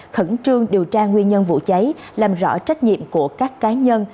khẩn trương điều tra nguyên nhân vụ cháy làm rõ trách nhiệm của các cá nhân